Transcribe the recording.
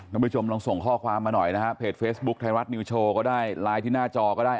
คุณผู้ชมลองส่งข้อความมาหน่อยนะฮะเพจเฟซบุ๊คไทยรัฐนิวโชว์ก็ได้ไลน์ที่หน้าจอก็ได้